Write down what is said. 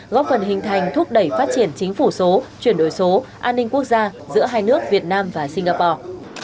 góp phần hình thành thúc đẩy phát triển chính phủ số chuyển đổi số an ninh quốc gia giữa hai nước việt nam và singapore